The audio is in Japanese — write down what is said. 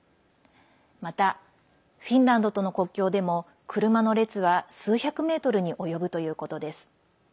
また、フィンランドとの国境でも車の列は数百メートルに及ぶということです。